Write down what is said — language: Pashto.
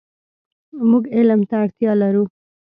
مونږ علم ته اړتیا لرو .